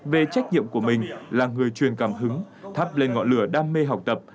về trách nhiệm của mình là người truyền cảm hứng thắp lên ngọn lửa đam mê học tập